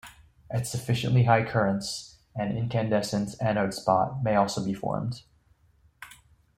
At sufficiently high currents an incandescent anode spot may also be formed.